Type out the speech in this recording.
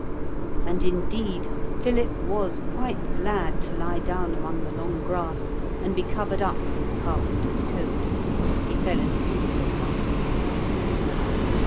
And indeed Philip was quite glad to lie down among the long grass and be covered up with the carpenter's coat. He fell asleep at once.